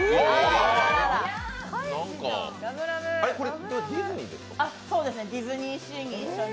これディズニーですか？